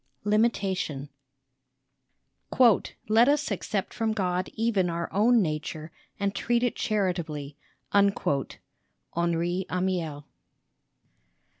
32 LIMITATION LIMITATION "Let us accept from God even our own nature, and treat it charitably." HENRI AMIEL.